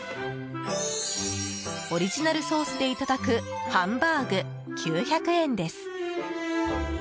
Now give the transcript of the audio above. オリジナルソースでいただくハンバーグ、９００円です！